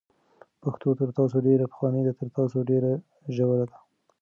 پښتو تر تاسو ډېره پخوانۍ ده، تر تاسو ډېره ژوره ده،